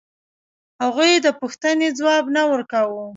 هغوی د پوښتنې ځواب نه ورکاوه.